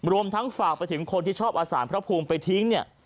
รวมทั้งฝากไปถึงคนที่ชอบอาสารพระภูมิไปทิ้งเนี่ย